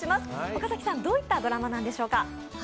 岡崎さん、どういったドラマなんでしょうか？